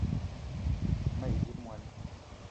A te ma yi dzip moni